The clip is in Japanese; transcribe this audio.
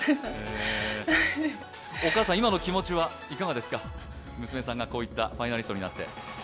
お母さん、今の気持ちはいかがですか、娘さんがファイナリストになって。